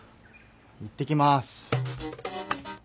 行ってきます。